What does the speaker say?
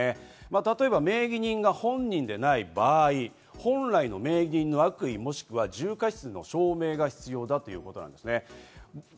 例えば名義人が本人でない場合、本来の名義人の悪意もしくは重過失の証明が必要だということです。